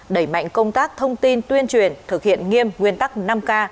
đẩy mạnh công tác thông tin tuyên truyền thực hiện nghiêm nguyên tắc năm k